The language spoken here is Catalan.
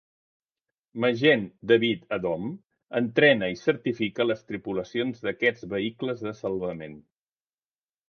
Magen David Adom entrena i certifica les tripulacions d'aquests vehicles de salvament.